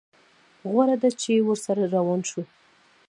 غوره ده چې ورسره روان شو.